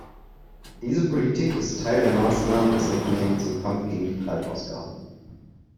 Diese Politik ist Teil der Maßnahmen des Unternehmens im Kampf gegen die Treibhausgase.